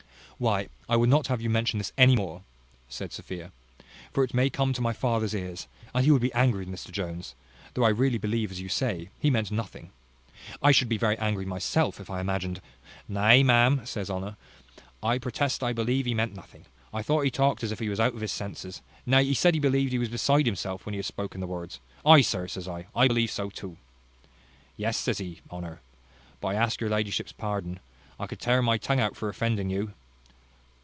"Why, I would not have you mention this any more," said Sophia, "for it may come to my father's ears, and he would be angry with Mr Jones; though I really believe, as you say, he meant nothing. I should be very angry myself, if I imagined " "Nay, ma'am," says Honour, "I protest I believe he meant nothing. I thought he talked as if he was out of his senses; nay, he said he believed he was beside himself when he had spoken the words. Ay, sir, says I, I believe so too. Yes, says he, Honour. But I ask your ladyship's pardon; I could tear my tongue out for offending you."